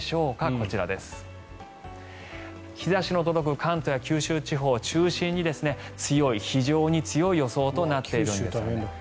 こちら、日差しの届く関東や九州地方を中心に強い、非常に強い予想となっています。